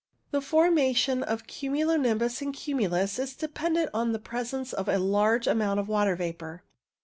The formation of cumulo nimbus and cumulus is dependent upon the presence of a large amount of water vapour.